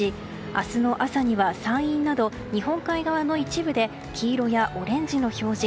明日の朝には山陰など日本海側の一部で黄色やオレンジの表示。